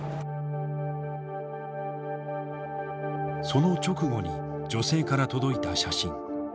その直後に女性から届いた写真。